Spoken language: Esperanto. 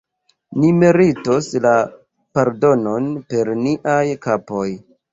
Ni meritos la pardonon per niaj kapoj!